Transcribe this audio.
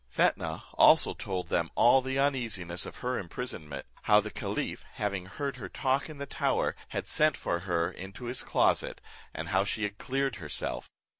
Fetnah also told them all the uneasiness of her imprisonment, how the caliph, having heard her talk in the tower, had sent for her into his closet, and how she had cleared herself.